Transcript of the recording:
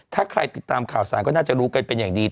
ถ้าใครติดตามข่าวสารก็น่าจะรู้กันเป็นอย่างดี